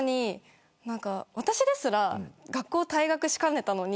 私ですら学校退学しかけたのに。